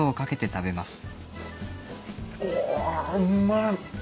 おうまい。